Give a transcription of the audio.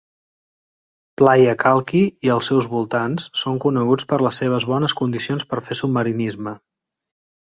Playa Kalki i els seus voltants són coneguts per les seves bones condicions per fer submarinisme.